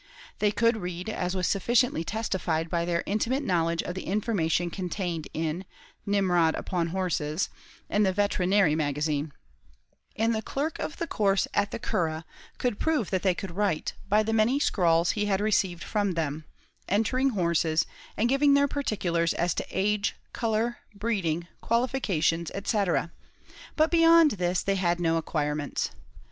They could read, as was sufficiently testified by their intimate knowledge of the information contained in "Nimrod upon Horses," and the Veterinary Magazine; and the Clerk of the Course at the Curragh could prove that they could write, by the many scrawls he had received from them entering horses, and giving their particulars as to age, colour, breeding, qualifications, &c., but beyond this they had no acquirements.